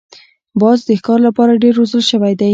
باز د ښکار لپاره ډېر روزل شوی دی